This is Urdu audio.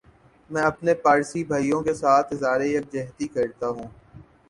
میں اپنے پارسی بھائیوں کیساتھ اظہار یک جہتی کرتا ھوں